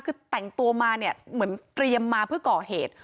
คือแต่งตัวมาเนี่ยเหมือนเตรียมมาเพื่อก่อเหตุ